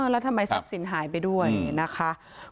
แล้วทำไมทรัพย์สินหายไปด้วยนะคะ